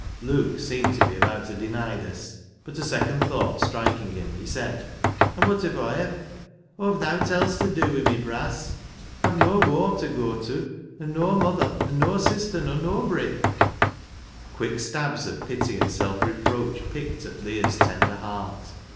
Luke seemed to be about to deny this, but a second thought striking him, he said —" An' wot if Aw hev ? Aw've nowt else ta dew wi' my brass. Aw've noa whoam ta goa tew an' noa muther and noa sister nor noabry." Quick stabs of pity and self reproach pricked at Leah's tender heart.